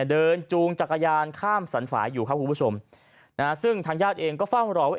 จูงจักรยานข้ามสรรฝ่ายอยู่ครับคุณผู้ชมนะฮะซึ่งทางญาติเองก็เฝ้ารอว่า